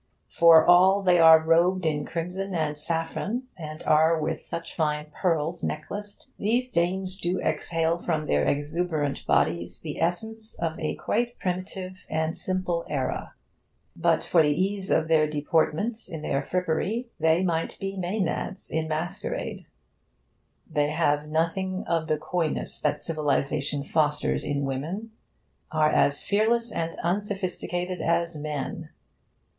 For all they are robed in crimson and saffron, and are with such fine pearls necklaced, these dames do exhale from their exuberant bodies the essence of a quite primitive and simple era; but for the ease of their deportment in their frippery, they might be Maenads in masquerade. They have nothing of the coyness that civilisation fosters in women, are as fearless and unsophisticated as men.